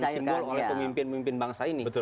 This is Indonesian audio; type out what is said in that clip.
simbol oleh pemimpin pemimpin bangsa ini